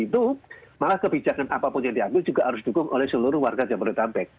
itu malah kebijakan apapun yang diambil juga harus dihukum oleh seluruh warga jamboree tapek